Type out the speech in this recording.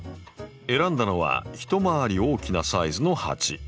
選んだのは一回り大きなサイズの鉢。